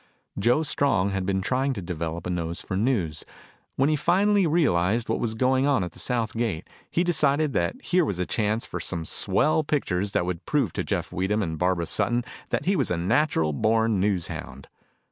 Joe Strong had been trying to develop a nose for news. When he finally realized what was going on at the south gate, he decided that here was a chance for some swell pictures that would prove to Jeff Weedham and Barbara Sutton that he was a natural born news hound.